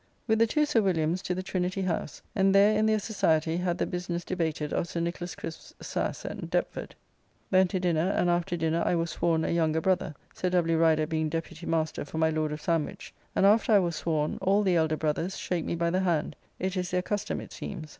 With the two Sir Williams to the Trinity house; and there in their society had the business debated of Sir Nicholas Crisp's sasse at Deptford. Then to dinner, and after dinner I was sworn a Younger Brother; Sir W. Rider being Deputy Master for my Lord of Sandwich; and after I was sworn, all the Elder Brothers shake me by the hand: it is their custom, it seems.